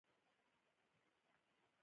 رقیب زما د فکر پرمخ وړونکی دی